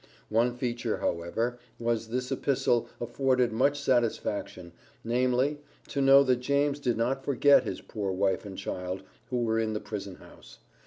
One feature, however, about this epistle afforded much satisfaction, namely, to know, that James did not forget his poor wife and child, who were in the prison house.